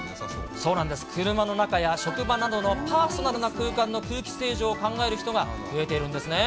車の中や職場などのパーソナルな空間の空気清浄を、増えているんですね。